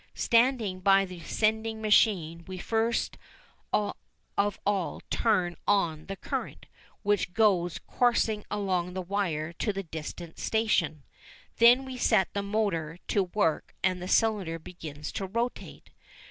Standing by the sending machine we first of all turn on the current, which goes coursing along the wire to the distant station. Then we set the motor to work and the cylinder begins to rotate.